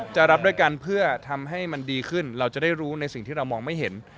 จะรับด้วยกันเพื่อทำให้มันดีขึ้นเราจะได้รู้ในสิ่งที่เรามองไม่เห็น